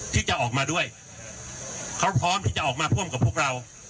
ที่จะออกมาด้วยเขาพร้อมที่จะออกมาร่วมกับพวกเรา